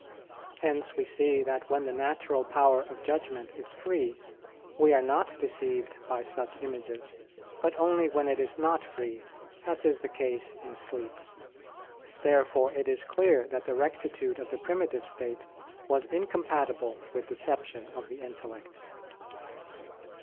Hence we see that when the natural power of judgment is free we are not deceived by such images, but only when it is not free, as is the case in sleep. Therefore it is clear that the rectitude of the primitive state was incompatible with deception of the intellect.